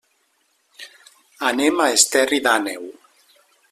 Anem a Esterri d'Àneu.